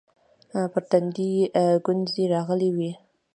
پر تندي يې گونځې راغلې وې.